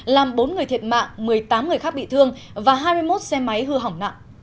làm bốn người thiệt mạng một mươi tám người khác bị thương và hai mươi một xe máy hư hỏng nặng